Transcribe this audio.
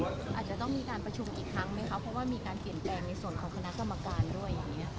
อาจจะต้องมีการประชุมอีกครั้งไหมคะเพราะว่ามีการเปลี่ยนแปลงในส่วนของคณะกรรมการด้วยอย่างนี้